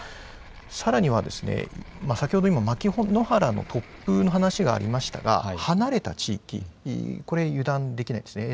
さらには先ほど今、牧之原の突風の話がありましたが、離れた地域、これ、油断できないんですね。